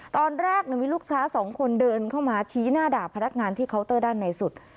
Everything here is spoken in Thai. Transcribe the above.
ตอนแรกมีลูกค้าสองคนเดินเข้ามาชี้หน้าด่าพนักงานที่เคาน์เตอร์ด้านในสุด